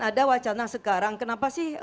ada wacana sekarang kenapa sih